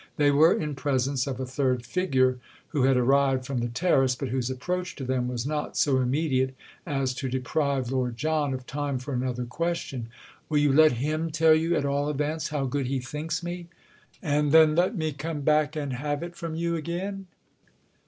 They were in presence of a third figure, who had arrived from the terrace, but whose approach to them was not so immediate as to deprive Lord John of time for another question. "Will you let him tell you, at all events, how good he thinks me?—and then let me come back and have it from you again?"